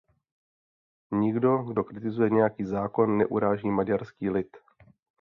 Nikdo, kdo kritizuje nějaký zákon, neuráží maďarský lid.